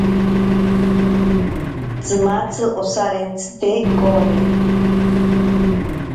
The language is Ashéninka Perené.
Tsimatzi osarentsite koni.